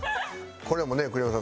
これもね栗山さん